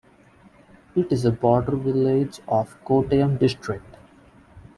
It is a border village of Kottayam district.